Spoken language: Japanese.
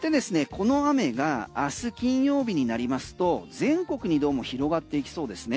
この雨が明日金曜日になりますと全国にどうも広がっていきそうですね。